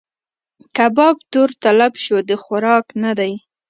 کباب تور تلب شو؛ د خوراک نه دی.